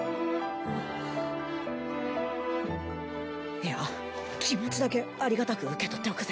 いや気持ちだけありがたく受け取っておくぜ。